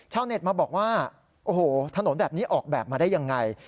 เน็ตมาบอกว่าโอ้โหถนนแบบนี้ออกแบบมาได้ยังไง